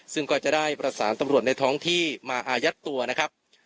ซึ่งก็จะได้ประสานตำรวจในท้องที่มาอายัดตัวนะครับ